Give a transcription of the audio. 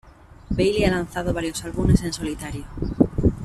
Bailey ha lanzado varios álbumes en solitario.